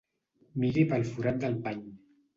Miri pel forat del pany.